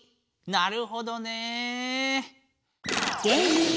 なるほどね。